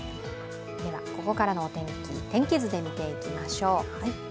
ここからのお天気、天気図で見ていきましょう。